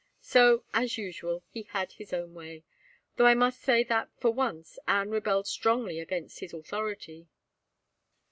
So, as usual, he had his own way; though I must say that, for once, Anne rebelled strongly against his authority."